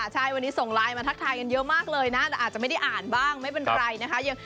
ใช่วันนี้ส่งไลน์มาทักทายกันเยอะมากเลยนะแต่อาจจะไม่ได้อ่านบ้างไม่เป็นไรนะคะ